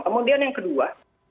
kemudian yang kedua